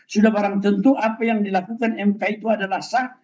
sudah barang tentu apa yang dilakukan mk itu adalah sah